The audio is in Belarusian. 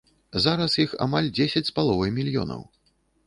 Зараз іх амаль дзесяць з паловай мільёнаў.